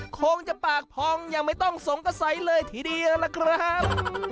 คงจะปากพองยังไม่ต้องสงสัยเลยทีเดียวล่ะครับ